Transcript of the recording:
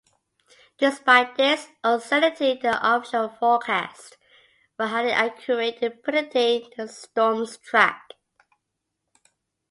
Despite this uncertainty, the official forecasts were highly accurate in predicting the storm's track.